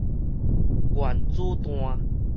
原子彈